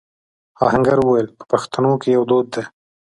آهنګر وويل: په پښتنو کې يو دود دی.